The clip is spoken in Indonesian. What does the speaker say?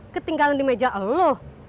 ketinggalan di meja elo